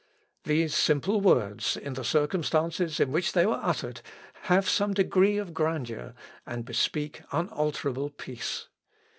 These simple words, in the circumstances in which they were uttered, have some degree of grandeur, and bespeak unalterable peace.